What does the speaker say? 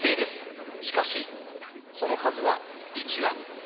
しかしその数は１羽。